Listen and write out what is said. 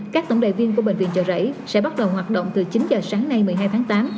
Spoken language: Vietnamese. các tổng đài viên của bệnh viện chợ rẫy sẽ bắt đầu hoạt động từ chín giờ sáng nay một mươi hai tháng tám